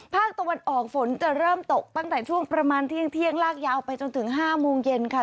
ภาคตะวันออกฝนจะเริ่มตกตั้งแต่ช่วงประมาณเที่ยงลากยาวไปจนถึง๕โมงเย็นค่ะ